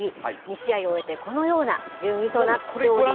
２試合を終えてこのような順位となっております。